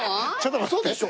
ウソでしょ？